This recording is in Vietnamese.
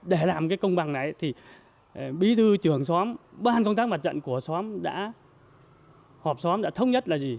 để làm công bằng này bí thư trưởng xóm ban công tác mặt trận của xóm đã hợp xóm đã thống nhất là gì